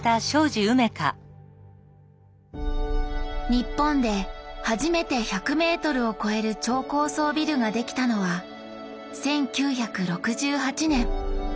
日本で初めて１００ｍを超える超高層ビルが出来たのは１９６８年。